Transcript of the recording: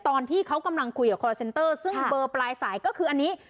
ตอนที่เขากำลังคุยกับคอร์เซนเตอร์ซึ่งเบอร์ปลายสายก็คืออันนี้